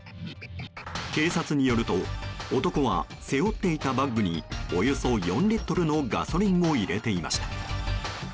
警察によると男は背負っていたバッグにおよそ４リットルのガソリンを入れていました。